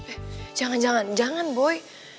eh jangan jangan jangan boy